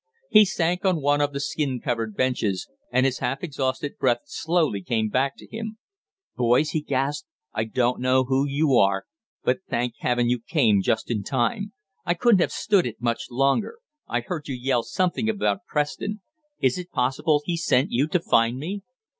He sank on one of the skin covered benches, and his half exhausted breath slowly came back to him. "Boys," he gasped. "I don't know who you are, but thank heaven you came just in time. I couldn't have stood it much longer. I heard you yell something about Preston. Is it possible he sent you to find me?"